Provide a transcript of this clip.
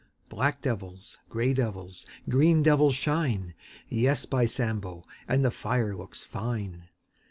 Black devils, grey devils, green devils shine — Yes, by Sambo, And the fire looks fine!